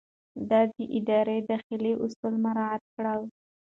ده د ادارې داخلي اصول مراعات کړل.